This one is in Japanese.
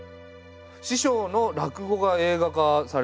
師匠の落語が映画化されたとか。